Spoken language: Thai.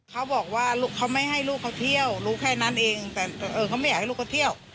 เขาบอกว่าเขาไม่ให้ลูกเขาเที่ยวรู้แค่นั้นเองแต่เขาไม่อยากให้ลูกเขาเที่ยว